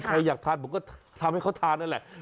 ใครอยากทานผมก็ทำให้เขาทานนั่นแหละ